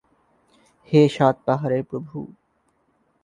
হে সাত পাহাড়ের প্রভু!